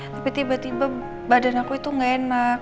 tapi tiba tiba badan aku itu gak enak